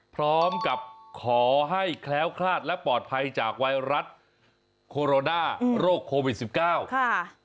พร้อมกับขอให้แคล้วคลาดและปลอดภัยจากไวรัสโคโรนาโรคโควิดสิบเก้าค่ะ